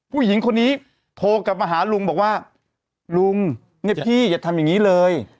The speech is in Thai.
ผู้หญิงคนนี้โทรกลับมาหาลุงบอกว่าลุงเนี่ยพี่อย่าทำอย่างนี้เลย